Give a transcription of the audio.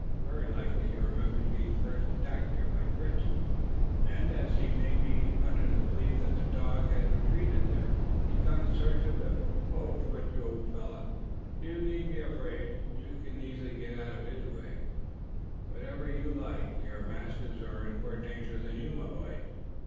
Very likely he remembers being first attacked there by Fritz; and as he may be under the belief that the dog has retreated there, he is gone in search of him. Ho, Fritz, old fellow! you needn't be afraid. You can easily get out of his way, whenever you like. Your masters are in more danger than you, my boy."